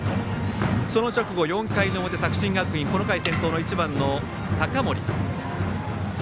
その直後、４回表作新学院、この回先頭の１番の高森。